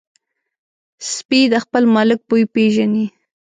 سپي د خپل مالک بوی پېژني.